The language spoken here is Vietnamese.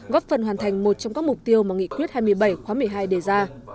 góp phần hoàn thành một trong các mục tiêu mà nghị quyết hai mươi bảy khóa một mươi hai đề ra